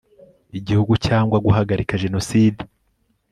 igihugu cyangwa guhagarika jenoside